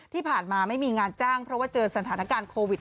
ที่ผ่านมาไม่มีงานจ้างเพราะว่าเจอสถานการณ์โควิด